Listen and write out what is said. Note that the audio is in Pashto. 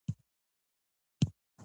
غالۍ د خاورو جذب کوونکې وي.